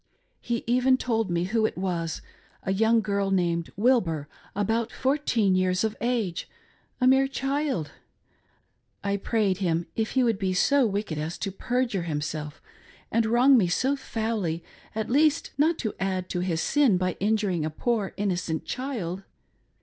He even told me who it was — a young girl named Wilbur, about fourteen years of age: — a mere child. I prayed him if he would be so wicked as to. per jure himself and wrong me so foully, at least not to add to his sin by injuring a poor innocent child.